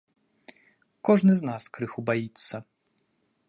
Кожны з нас крыху баіцца.